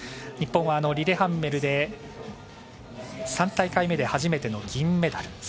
日本はリレハンメルで３大会目で初めての銀メダル。